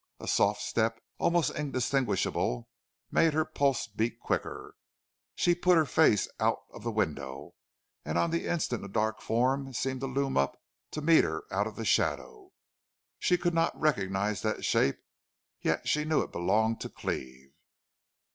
A soft step, almost indistinguishable, made her pulse beat quicker. She put her face out of the window, and on the instant a dark form seemed to loom up to meet her out of the shadow. She could not recognize that shape, yet she knew it belonged to Cleve.